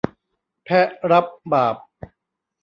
แพะรับบาป